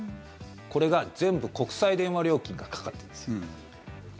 これが全部国際電話料金がかかってます。